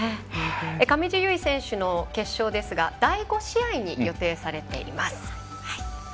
上地結衣選手の決勝ですが第５試合に予定されています。